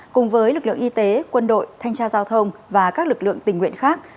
cùng với lực lượng y tế quân đội thanh tra giao thông và các lực lượng tình nguyện khác